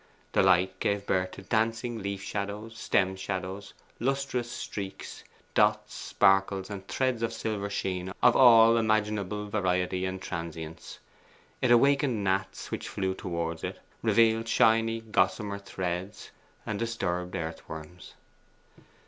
The light gave birth to dancing leaf shadows, stem shadows, lustrous streaks, dots, sparkles, and threads of silver sheen of all imaginable variety and transience. It awakened gnats, which flew towards it, revealed shiny gossamer threads, disturbed earthworms.